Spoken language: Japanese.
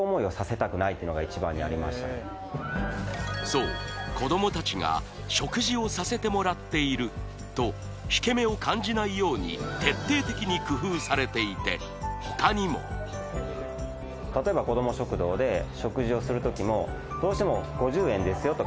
そう子どもたちが「食事をさせてもらっている」と引け目を感じないように徹底的に工夫されていてほかにも例えばどうしても「５０円ですよ」